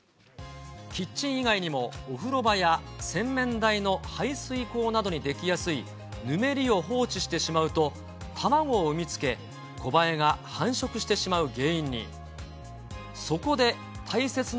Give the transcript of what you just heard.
キッチン以外にも、お風呂場や洗面台の排水口などにできやすいぬめりを放置してしまうと、卵を産みつけ、コバエが繁殖してしまう原因に。